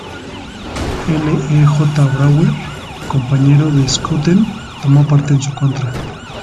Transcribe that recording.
L. E. J. Brouwer, compañero de Schouten, tomó parte en su contra.